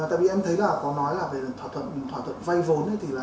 và tại vì em thấy là có nói là về thỏa thuận vay vốn ấy thì là